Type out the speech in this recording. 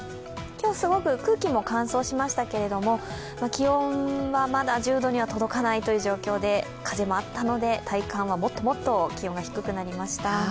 今日、すごく空気も乾燥しましたけれども、気温もまだ１０度に届かない状態で風もあったので、体感はもっともっと低くなりました。